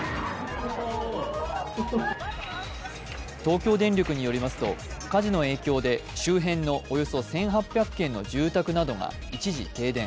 東京電力によりますと、火事の影響で周辺のおよそ１８００軒の住宅などが一時停電。